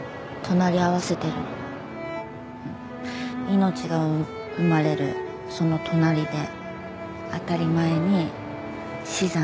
命が生まれるその隣で当たり前に死産がある。